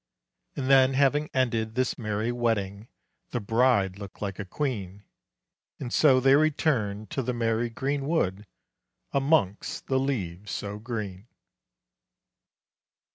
And then having ended this merry wedding, The bride looked like a queen; And so they returned to the merry greenwood, Amongst the leaves so green.